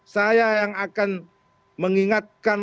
saya yang akan mengingatkan